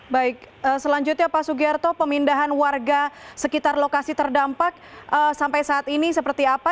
baik selanjutnya pak sugiarto pemindahan warga sekitar lokasi terdampak sampai saat ini seperti apa